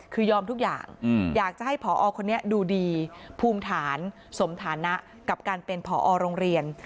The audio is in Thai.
คือยอมทุกอย่างอยากจะให้ผอคนนี้ดูดีภูมิฐานสมฐานะกับการเป็นผอโรงเรียน